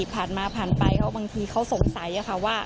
ผ่านมาผ่านไปเขาบางทีเขาสงสัยค่ะว่า